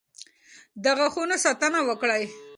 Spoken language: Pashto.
د غاښونو ساتنه وکړئ.